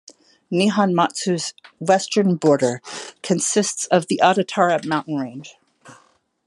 Nihonmatsu's western border consists of the Adatara mountain range.